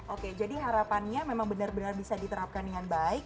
oke jadi harapannya memang benar benar bisa diterapkan dengan baik